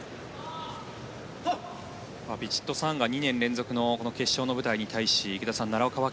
ヴィチットサーンが２年連続の決勝の舞台に対し池田さん、奈良岡は